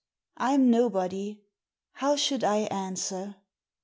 I'm nobody. How should I answer?